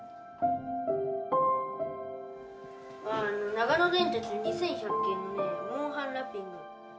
長野電鉄２１００系のねモンハンラッピング。